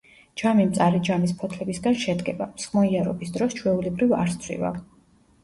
ჯამი მწარე ჯამის ფოთლებისგან შედგება, მსხმოიარობის დროს ჩვეულებრივ არ სცვივა.